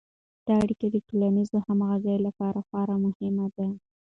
دا اړیکې د ټولنیز همغږي لپاره خورا مهمې دي.